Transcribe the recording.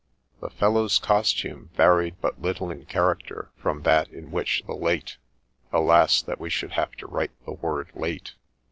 The fellow's costume varied but little in character from that in which the late (alas 1 that we should have to write the word — late